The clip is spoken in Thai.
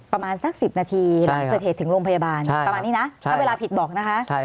ประมาณสัก๑๐นาทีหลังเกิดเหตุถึงโรงพยาบาลประมาณนี้นะถ้าเวลาผิดบอกนะคะ